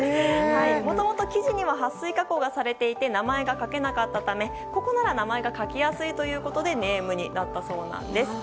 もともと生地にははっ水加工がされていて名前が書けなかったためここなら名前が書きやすいということでネームになったそうなんです。